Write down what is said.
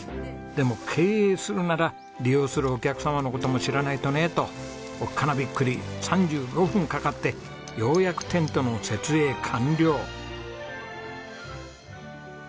でも経営するなら利用するお客様の事も知らないとねとおっかなびっくり３５分かかってようやくテントの設営完了。